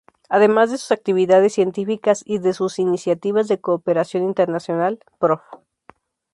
Además de sus actividades científicas y de sus iniciativas de cooperación internacional, Prof.